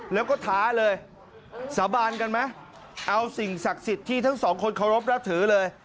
แล้วก็ท้าเลยสาบานกันไหมเอาสิ่งศักดิ์สิทธิ์ที่ทั้งสองคนเคารพนับถือเลย